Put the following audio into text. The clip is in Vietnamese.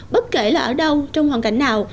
bất kể là ở đâu trong hoàn cảnh nào